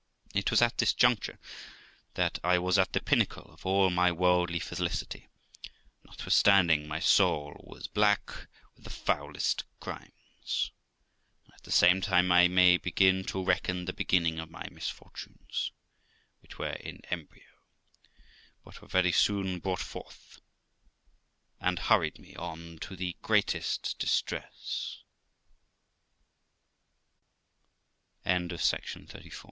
It was at this juncture that I was at the pinnacle of all my worldly felicity, notwithstanding my soul was black with the foulest crimes. And, at the same time, I may begin to reckon the beginning of my misfortunes, which were in embryo, but were rery soon brought forth, and hurried m